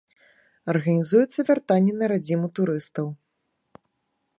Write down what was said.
Арганізуецца вяртанне на радзіму турыстаў.